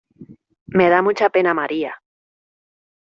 Me da mucha pena María.